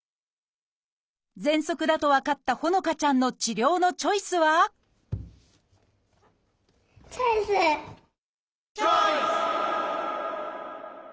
ぜんそくだと分かった帆乃花ちゃんの治療のチョイスはチョイス！